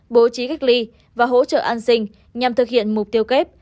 bố trí cách ly và hỗ trợ an sinh nhằm thực hiện mục tiêu kép